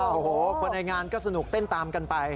โอ้โหคนในงานก็สนุกเต้นตามกันไป